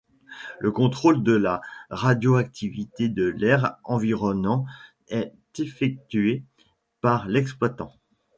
Le contrôle de la radioactivité de l'air environnant est effectué par l'exploitant.